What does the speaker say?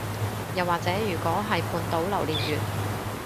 又或者如果係半島榴槤月